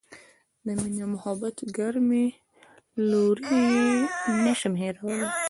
د مینې او محبت ګرمې لورینې یې نه شم هیرولای.